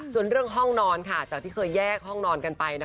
ส่วนเรื่องห้องนอนจากที่เคยแยกห้องนอนกันไป